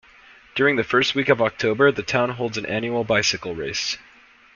During the first week of October, the town holds an annual bicycle race.